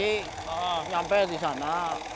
nyampe di sana